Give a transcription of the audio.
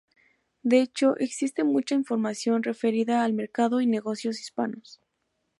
De hecho, existe mucha información referida al mercado y negocios hispanos.